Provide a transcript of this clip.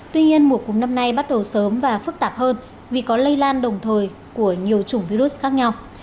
tuy nhiên mùa cúm năm nay bắt đầu sớm và phức tạp hơn vì có lây lan đồng thời của nhiều chủng virus khác nhau